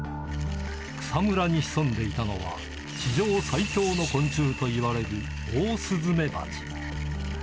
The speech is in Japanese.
草むらに潜んでいたのは、地上最強の昆虫といわれるオオスズメバチ。